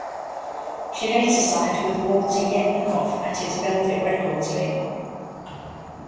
She later signed with Walter Yetnikoff at his Velvel Records label.